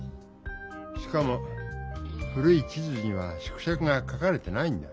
しかも古い地図には縮尺が書かれてないんだ。